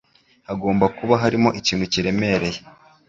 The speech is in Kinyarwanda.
Hagomba kuba harimo ikintu kiremereye